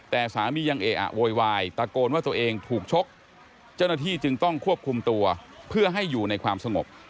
แต่สามียังเออะโวยวายตะโกนว่าตัวเองถูกชกเจ้าหน้าที่จึงต้องควบคุมตัวเพื่อให้อยู่ในความสงบ